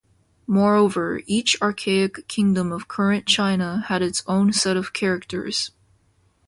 Moreover, each archaic kingdom of current China had its own set of characters.